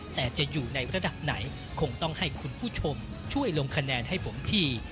แต่จะอยู่ในระดับไหนคงต้องให้คุณผู้ชมช่วยลงคะแนนให้ผมที